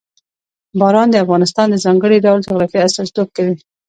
باران د افغانستان د ځانګړي ډول جغرافیه استازیتوب کوي.